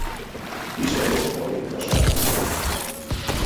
Michael Breu verstarb im Amt.